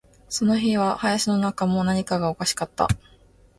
その日は林の中も、何かがおかしかった